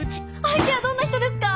相手はどんな人ですか！？